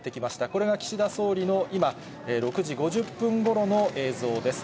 これが岸田総理の今、６時５０分ごろの映像です。